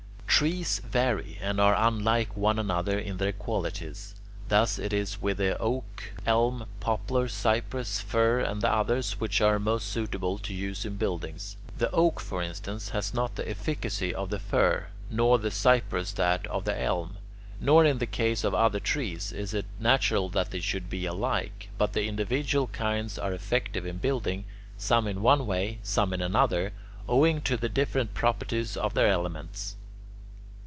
Trees vary and are unlike one another in their qualities. Thus it is with the oak, elm, poplar, cypress, fir, and the others which are most suitable to use in buildings. The oak, for instance, has not the efficacy of the fir, nor the cypress that of the elm. Nor in the case of other trees, is it natural that they should be alike; but the individual kinds are effective in building, some in one way, some in another, owing to the different properties of their elements.